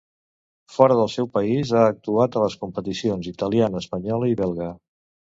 Fora del seu país, ha actuat a les competicions italiana, espanyola i belga.